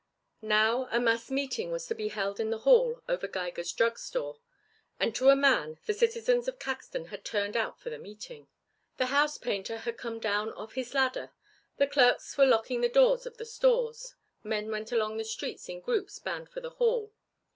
Now a mass meeting was to be held in the hall over Geiger's drug store and to a man the citizens of Caxton had turned out for the meeting. The housepainter had come down off his ladder, the clerks were locking the doors of the stores, men went along the streets in groups bound for the hall.